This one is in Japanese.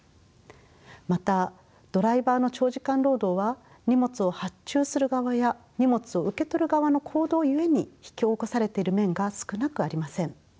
またドライバーの長時間労働は荷物を発注する側や荷物を受け取る側の行動ゆえに引き起こされている面が少なくありません。